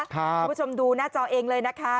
คุณผู้ชมดูหน้าจอเองเลยนะคะ